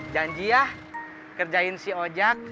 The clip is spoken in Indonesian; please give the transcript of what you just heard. janji ya kerjain si ojek